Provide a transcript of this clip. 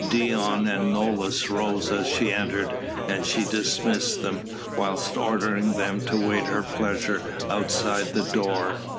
Dion and Nolus rose as she entered, and she dismissed them, whilst ordering them to wait her pleasure outside the door.